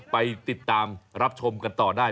ไปติดตามรับชมกันต่อได้